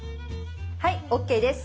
はいＯＫです。